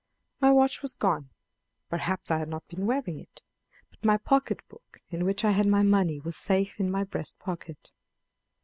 My watch was gone; perhaps I had not been wearing it, but my pocket book in which I had my money was safe in my breast pocket.